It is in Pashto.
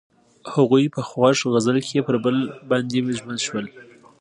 هغوی په خوښ غزل کې پر بل باندې ژمن شول.